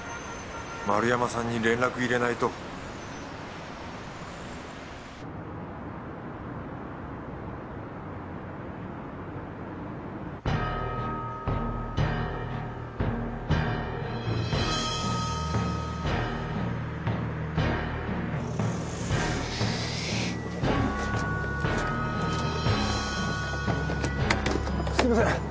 丸山さんに連絡入れないとすみません。